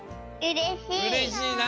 うれしいな！